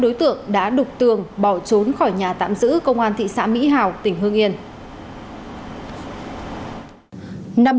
đối tượng đã đục tường bỏ trốn khỏi nhà tạm giữ công an thị xã mỹ hào tỉnh hương yên